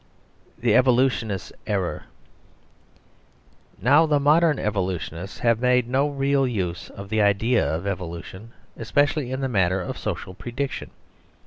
The Evolutionists' Error Now, the modern Evolutionists have made no real use of the idea of evolution, especially in the matter of social prediction.